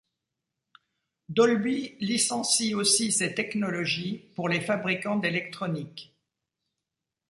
Dolby licencie aussi ses technologies pour les fabricants d'électronique.